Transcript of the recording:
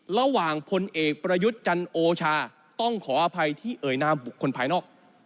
พลเอกประยุทธ์จันโอชาต้องขออภัยที่เอ่ยนามบุคคลภายนอก